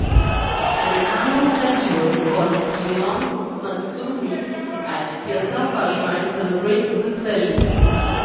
An annual festival, called "Gion Matsuri", at Yasaka Shrine celebrates this legend.